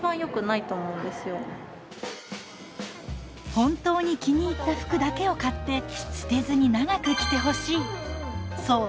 本当に気に入った服だけを買って捨てずに長く着てほしい。